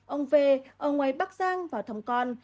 ông v ở ngoài bắc giang vào thăm con